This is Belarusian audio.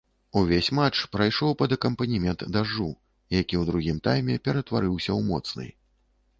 Увесь матч прайшоў пад акампанемент дажджу, які ў другім тайме ператварыўся ў моцны.